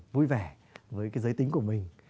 vui vẻ với giới tính của mình